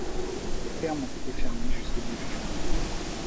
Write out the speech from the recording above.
Les thermes ont été fermés jusqu'au début du mois d'août.